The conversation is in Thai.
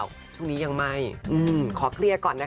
ช่วงนี้ยังไม่ขอเคลียร์ก่อนนะคะ